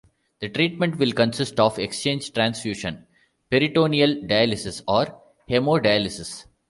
The treatment will consist of exchange transfusion, peritoneal dialysis or hemodialysis.